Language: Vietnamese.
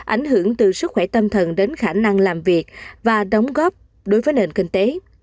ảnh hưởng từ sức khỏe tâm thần đến khả năng làm việc và đóng góp đối với nền kinh tế